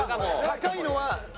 高いのは。